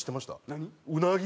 何？